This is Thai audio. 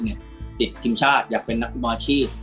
สิทธิ์ทีมชาติอยากเป็นนักศึกมณิการอาชีพ